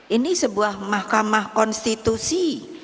ini sebuah mahkamah konstitusi